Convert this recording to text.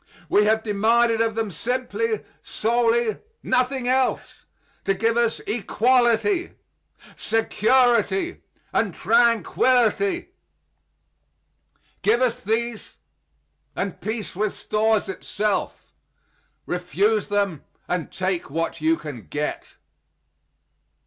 We have demanded of them simply, solely nothing else to give us equality, security and tranquillity. Give us these, and peace restores itself. Refuse them, and take what you can get.